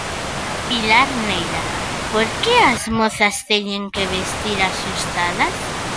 Pilar Neira: Por que as mozas teñen que vestir axustadas?